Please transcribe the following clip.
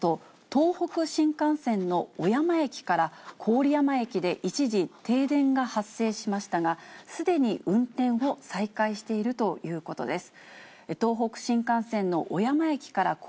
東北新幹線の小山駅から郡山駅で一時、停電が発生しましたが、すでに運転を再開しているということです。